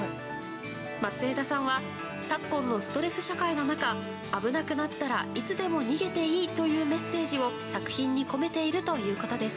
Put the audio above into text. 松枝さんは昨今のストレス社会の中危なくなったらいつでも逃げていいというメッセージを作品に込めているということです。